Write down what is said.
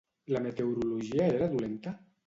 La meteorologia era dolenta?